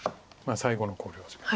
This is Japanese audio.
最後の考慮時間。